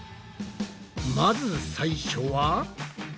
まず最初は。